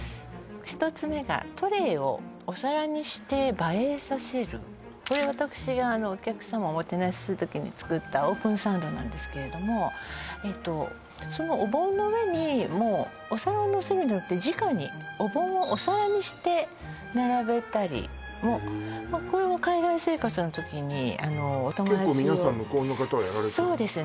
１つ目がトレイをお皿にして映えさせるこれ私お客様をおもてなしする時に作ったオープンサンドなんですけれどもそのお盆の上にもうお皿を乗せるんじゃなくてじかにお盆をお皿にして並べたりもこれも海外生活の時にお友達を結構向こうの方はやられてるんだそうですね